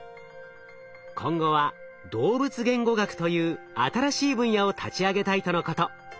今後は動物言語学という新しい分野を立ち上げたいとのこと。